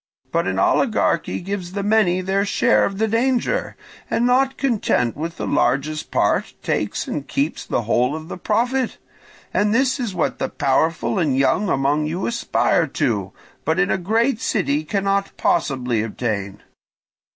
But an oligarchy gives the many their share of the danger, and not content with the largest part takes and keeps the whole of the profit; and this is what the powerful and young among you aspire to, but in a great city cannot possibly obtain.